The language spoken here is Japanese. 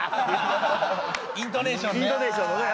イントネーションね。